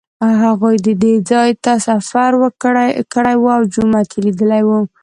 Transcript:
هغوی دې ځای ته سفر کړی و او جومات یې لیدلی و.